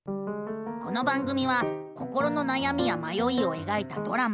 この番組は心のなやみやまよいをえがいたドラマ。